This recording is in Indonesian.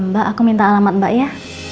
mbak aku minta alamat mbak ya